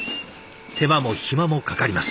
手間も暇もかかります。